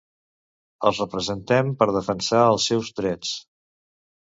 Els representem per defensar els seus drets.